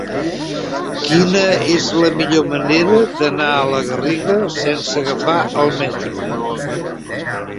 Quina és la millor manera d'anar a la Garriga sense agafar el metro?